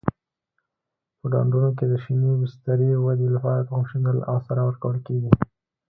په ډنډونو کې د شینې بسترې ودې لپاره تخم شیندل او سره ورکول کېږي.